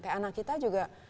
kayak anak kita juga